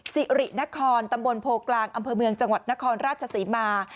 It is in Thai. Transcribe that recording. สิรินครตำบลโพกลางอำเภอเมืองจังหวัดนครราชศรีมา